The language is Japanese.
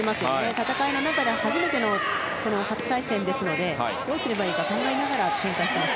戦いの中で、初対戦ですのでどうすればいいか考えながら展開しています。